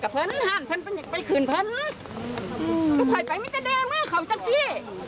ซึ่งถอยไปมีจะได้ไงมั้ยเขาทำที่